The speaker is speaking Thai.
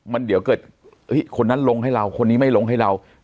มันเดี๋ยวเกิดคนนั้นลงให้เราคนนี้ไม่ลงให้เรา